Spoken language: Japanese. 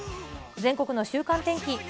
全国の週間天気。